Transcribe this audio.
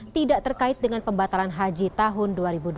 tidak terkait dengan pembatalan haji tahun dua ribu dua puluh